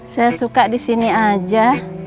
saya suka di sini aja